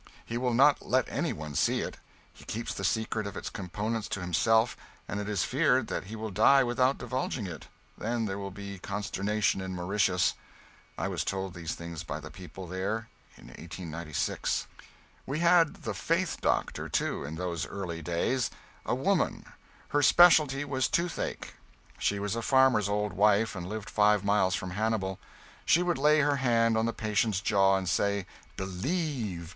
He will not let any one see it. He keeps the secret of its components to himself, and it is feared that he will die without divulging it; then there will be consternation in Mauritius. I was told these things by the people there, in 1896. We had the "faith doctor," too, in those early days a woman. Her specialty was toothache. She was a farmer's old wife, and lived five miles from Hannibal. She would lay her hand on the patient's jaw and say "Believe!"